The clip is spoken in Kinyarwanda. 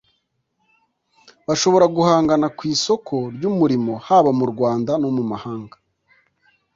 bashobora guhangana ku isoko ry’umurimo haba mu Rwanda no mu mahanga